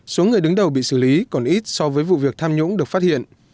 số người đứng đầu bị xử lý còn ít so với vụ việc tham nhũng được phát hiện